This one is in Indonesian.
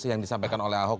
yang disampaikan oleh ahok